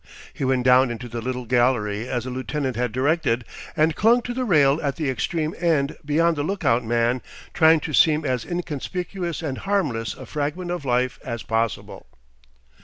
He went down into the little gallery as the lieutenant had directed, and clung to the rail at the extreme end beyond the look out man, trying to seem as inconspicuous and harmless a fragment of life as possible.